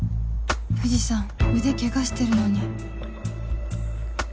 藤さん腕ケガしてるのに